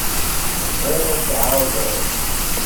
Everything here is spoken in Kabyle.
Tebɣiḍ ad tɛerḍeḍ?